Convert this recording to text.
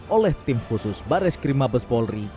oleh tim khusus baris krim mabes polri